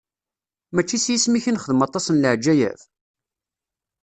Mačči s yisem-ik i nexdem aṭas n leɛǧayeb?